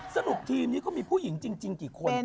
สรุปทีมนี้ก็มีผู้หญิงจริงกี่คน